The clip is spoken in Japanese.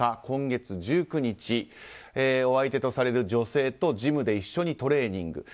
今月１９日お相手とされる女性とジムで一緒にトレーニング。